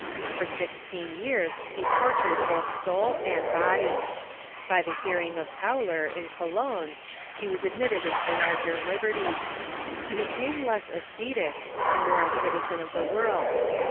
For sixteen years he tortured both soul and body. By the hearing of Tauler, in Cologne, he was admitted into larger liberty. He became less ascetic, and more a citizen of the world.